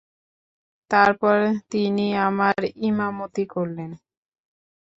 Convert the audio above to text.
তারপর তিনি আমার ইমামতি করলেন।